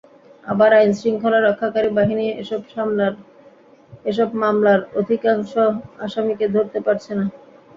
আবার আইনশৃঙ্খলা রক্ষাকারী বাহিনী এসব মামলার অধিকাংশ আসামিকে ধরতে পারছে না।